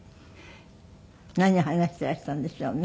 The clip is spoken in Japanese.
何話してらしたんでしょうね。